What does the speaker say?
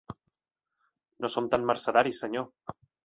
No som tan mercedaris, senyor.